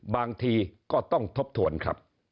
บางทีก็ต้องทบทวนครับ